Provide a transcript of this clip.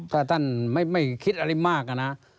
ถ้าท่านไม่คิดอะไรมากนะ